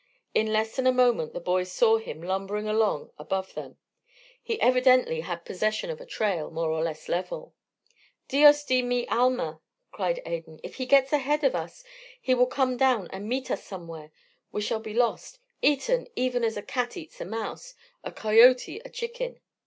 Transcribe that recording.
In less than a moment the boys saw him lumbering along above them. He evidently had possession of a trail, more or less level. "Dios de mi alma!" cried Adan. "If he gets ahead of us he will come down and meet us somewhere. We shall be lost eaten even as a cat eats a mouse, a coyote a chicken."